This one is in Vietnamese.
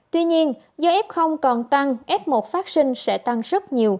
tuy nhiên do f còn tăng f một phát sinh